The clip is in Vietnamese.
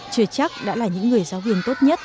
chưa chắc đã là những người giáo viên tốt nhất